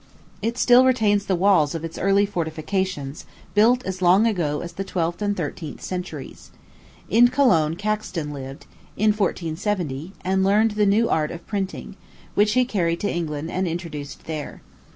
It still retains the walls of its early fortifications, built as long ago as the twelfth and thirteenth centuries. In Cologne Caxton lived, in 1470, and learnt the new art of printing, which he carried to England and introduced there.